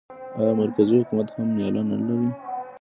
آیا مرکزي حکومت هم مالیه نه اخلي؟